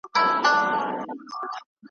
یو ځل مي جهان ته وکتل او بیا مي `